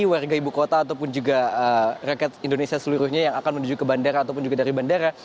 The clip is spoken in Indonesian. warga ibu kota ataupun juga rakyat indonesia seluruhnya yang akan menuju ke bandara ataupun juga dari bandara